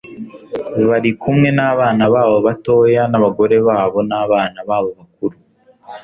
bari kumwe nabana babo batoya nabagore babo nabana babo bakuru